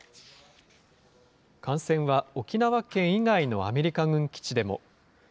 感染は沖縄県以外のアメリカ軍基地でも。